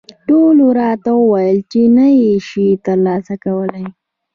ټولو راته وویل چې نه یې شې ترلاسه کولای.